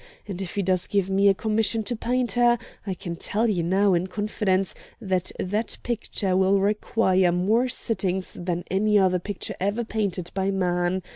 And if he does give me a commission to paint her, I can tell you now in confidence that that picture will require more sittings than any other picture ever painted by man.